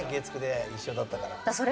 「月９」で一緒だったから。